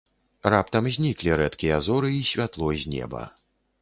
Раптам зніклі рэдкія зоры і святло з неба.